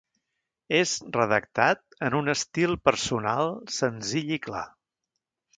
És redactat en un estil personal, senzill i clar.